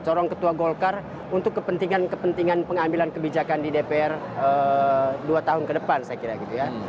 corong ketua golkar untuk kepentingan kepentingan pengambilan kebijakan di dpr dua tahun ke depan saya kira gitu ya